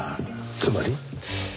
つまり？